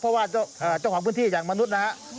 เพราะว่าเจ้าของพื้นที่อย่างมนุษย์นะฮะ